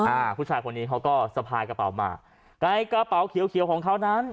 อ่าผู้ชายคนนี้เขาก็สะพายกระเป๋ามาใกล้กระเป๋าเขียวเขียวของเขานั้น